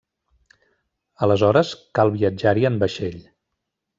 Aleshores cal viatjar-hi en vaixell.